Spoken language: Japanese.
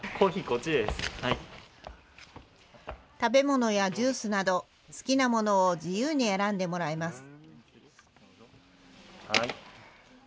食べ物やジュースなど好きなものを自由に選んでもらいます。